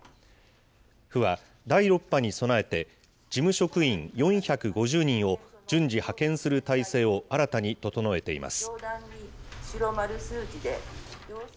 府は第６波に備えて、事務職員４５０人を順次派遣する体制を新たに整えています。